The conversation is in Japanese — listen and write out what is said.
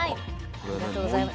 ありがとうございます。